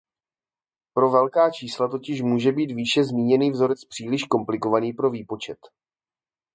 Pro velká čísla totiž může být výše zmíněný vzorec příliš komplikovaný pro výpočet.